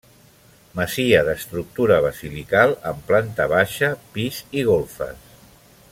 Masia d'estructura basilical amb planta baixa, pis i golfes.